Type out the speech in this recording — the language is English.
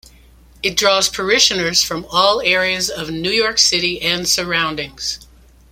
It draws parishioners from all areas of New York City and surroundings.